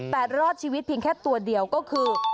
แต่รอดชีวิตเพียงแค่ตัวเดียวก็คือ